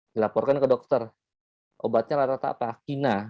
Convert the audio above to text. dilaporkan ke dokter obatnya rata rata apa kina